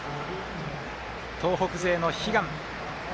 東北勢の悲願。